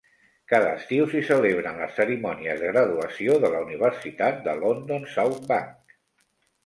Cada estiu s'hi celebren les cerimònies de graduació de la Universitat de London South Bank.